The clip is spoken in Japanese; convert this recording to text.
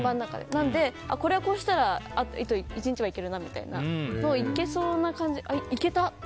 なので、これはこうしたら１日はいけるなみたいないけそうな感じ。